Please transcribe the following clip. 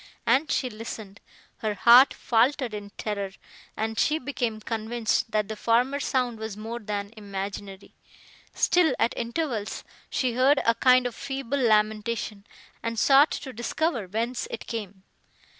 As she listened, her heart faltered in terror, and she became convinced, that the former sound was more than imaginary. Still, at intervals, she heard a kind of feeble lamentation, and sought to discover whence it came.